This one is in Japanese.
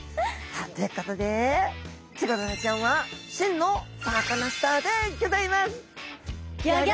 ということでチゴダラちゃんは真のサカナスターでギョざいます。